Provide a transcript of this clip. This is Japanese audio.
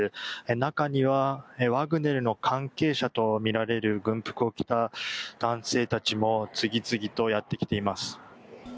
中にはワグネルの関係者とみられる軍服を着た男性たちも次々とやってきています。